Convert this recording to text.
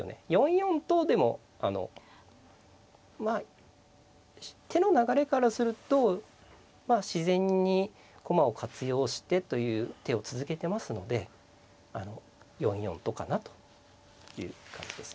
４四とでもまあ手の流れからすると自然に駒を活用してという手を続けてますので４四とかなという感じですね。